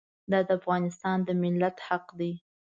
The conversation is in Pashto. دا د افغانستان د ملت حق دی.